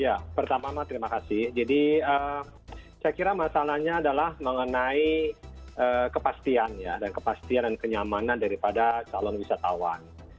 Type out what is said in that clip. ya pertama mak terima kasih jadi saya kira masalahnya adalah mengenai kepastian dan kenyamanan daripada calon wisatawan